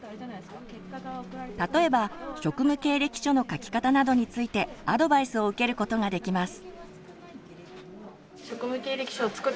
例えば「職務経歴書」の書き方などについてアドバイスを受けることができます。